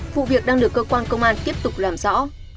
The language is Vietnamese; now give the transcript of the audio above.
vụ việc đang được cơ quan công an tiếp tục làm rõ